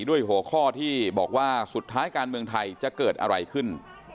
ด้วยหัวข้อที่บอกว่าสุดท้ายการเมืองไทยจะเกิดอะไรขึ้น